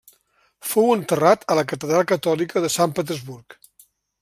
Fou enterrat a la catedral catòlica de Sant Petersburg.